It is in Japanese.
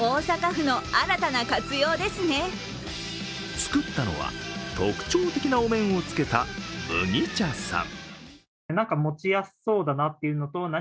作ったのは、特徴的なお面をつけた麦茶さん。